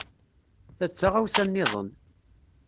Ta d taɣawsa niḍen.